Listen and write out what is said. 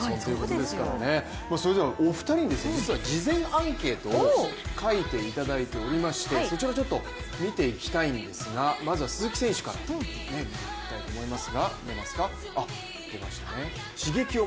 お二人に事前アンケートを書いていただいていましてそちらを見ていきたいんですがまずは鈴木選手から見たいと思います。